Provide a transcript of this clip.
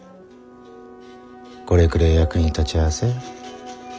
これくれえ役に立ちゃせ。